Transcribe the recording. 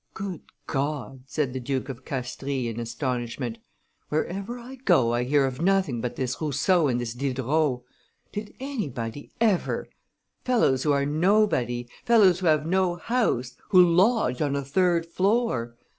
"Good God!" said the Duke of Castries in astonishment, "wherever I go I hear of nothing but this Rousseau and this Diderot! Did anybody ever? Fellows who are nobody, fellows who have no house, who lodge on a third floor!